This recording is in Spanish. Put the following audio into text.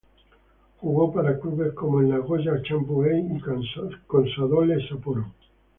Jugó para clubes como el Nagoya Grampus Eight y Consadole Sapporo.